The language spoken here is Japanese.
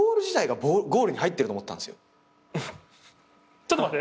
ちょっと待って。